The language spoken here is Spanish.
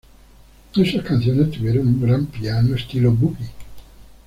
Esas canciones tuvieron un gran piano estilo "boogie".